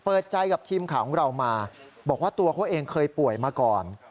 เปิดใจกับทีมข่าวของเรามาบอกว่าตัวเขาเองเคยป่วยมาก่อน